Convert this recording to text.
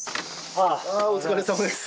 ああお疲れさまです。